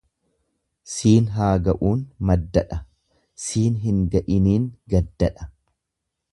"""Siin haa ga'uun"" maddadha, ""siin hin ga'iiniin"" gaddadha."